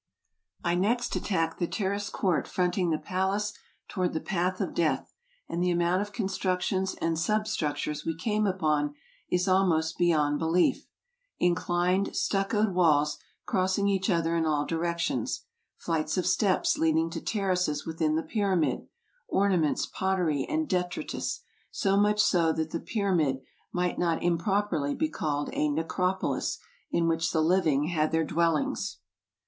I next attacked the terraced court fronting the palace toward the Path of Death, and the amount of constructions and substructures we came upon is almost beyond belief: inclined stuccoed walls crossing each other in all directions, flights of steps leading to terraces within the pyramid, orna ments, pottery, and detritus; so much so that the pyramid might not improperly be called a necropolis, in which the living had their dwellings.